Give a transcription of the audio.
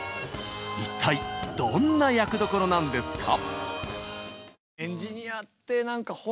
一体どんな役どころなんですか？